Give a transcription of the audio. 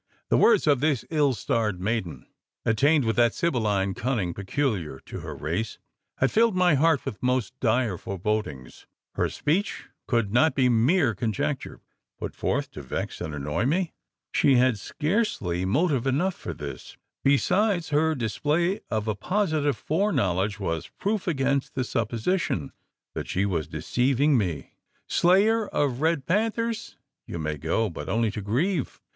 The words of this ill starred maiden attainted with that sibylline cunning peculiar to her race had filled my heart with most dire forebodings. Her speech could not be mere conjecture, put forth to vex and annoy me? She had scarcely motive enough for this; besides, her display of a positive foreknowledge was proof against the supposition, that she was deceiving me? "Slayer of red panthers? You may go, but only to grieve."